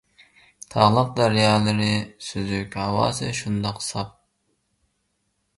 تاغلىق، دەريالىرى سۈزۈك، ھاۋاسى شۇنداق ساپ.